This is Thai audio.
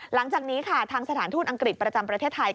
หลังจากนี้ค่ะทางสถานทูตอังกฤษประจำประเทศไทย